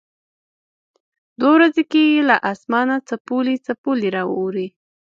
دوه ورځې کېږي له اسمانه څپولی څپولی را اوري.